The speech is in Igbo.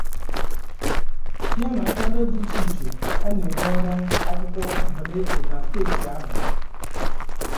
ya na nkwàdo dị iche iche ọ na-enye ọba akwụkwọ ọhaneze na steeti ahụ